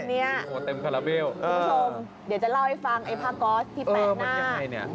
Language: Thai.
นี่คุณผู้ชมเดี๋ยวจะเล่าให้ฟังไอ้ผ้าก๊อสที่แปะหน้าเออมันยังไงนี่